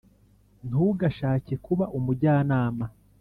Ntugashake kuba umujyanama